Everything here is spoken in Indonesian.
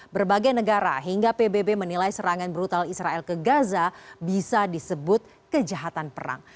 berbagai negara hingga pbb menilai serangan brutal israel ke gaza bisa disebut kejahatan perang